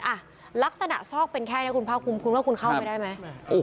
อ่ะลักษณะซอกเป็นแค่นี้คุณพาวคุมคุณเข้าไปได้ไหม